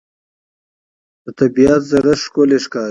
د طبیعت زړښت ښکلی ښکاري